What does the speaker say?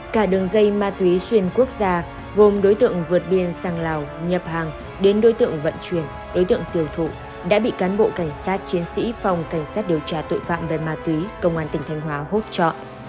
cả đường dây ma túy xuyên quốc gia gồm đối tượng vượt biên sang lào nhập hàng đến đối tượng vận chuyển đối tượng tiêu thụ đã bị cán bộ cảnh sát chiến sĩ phòng cảnh sát điều tra tội phạm về ma túy công an tỉnh thanh hóa hỗ trợ